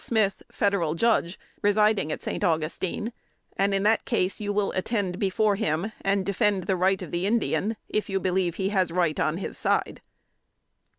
Smith, Federal Judge residing at St. Augustine; and in that case, you will attend before him, and defend the right of the Indian, if you believe he has right on his side."